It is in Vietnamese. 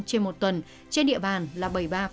trên một tuần trên địa bàn là bảy mươi ba